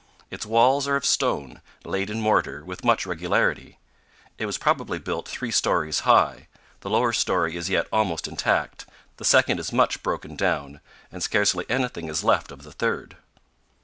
Its walls are of stone, laid in mortar with much regularity. It was probably built three stories high; the lower story is yet almost intact; the second is much broken down, and scarcely anything is left of the third.